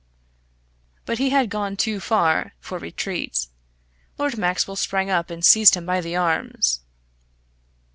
But he had gone too far for retreat. Lord Maxwell sprang up and seized him by the arms.